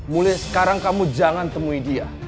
mulai sekarang kamu jangan temui dia